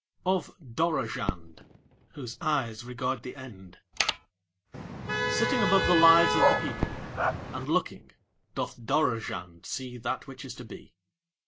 OF DOROZHAND (Whose Eyes Regard The End) Sitting above the lives of the people, and looking, doth Dorozhand see that which is to be.